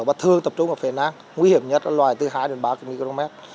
và thường tập trung vào phế năng nguy hiểm nhất là loài từ hai đến ba micromet